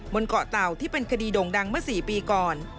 บนเกาะเต่าที่เป็นคดีโด่งดังเมื่อ๔ปีก่อน